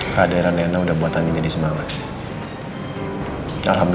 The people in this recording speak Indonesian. keadaan reno udah buat andin jadi semangat